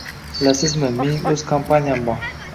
Bilasizmi, mening oʻz kompaniyam bor.